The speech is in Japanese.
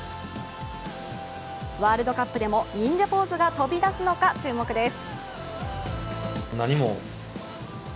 ワールドカップでも忍者ポーズが飛び出すのか注目です。